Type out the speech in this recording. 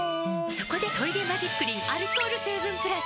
そこで「トイレマジックリン」アルコール成分プラス！